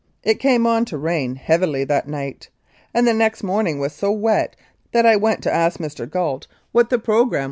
It came on to rain heavily that night, and the next morning was so wet that I went to ask Mr. Gait what the programme 88 1898 1902.